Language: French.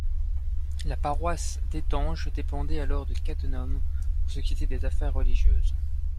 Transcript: La paroisse d’Hettange dépendait alors de Cattenom pour ce qui était des affaires religieuses.